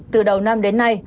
từ đầu năm đến nay